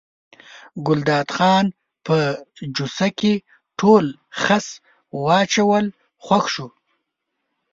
ګلداد خان په جوسه کې ټول خس واچول خوښ شو.